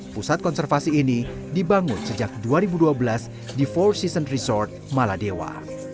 pusat konservasi ini dibangun sejak dua ribu dua belas di fore season resort maladewa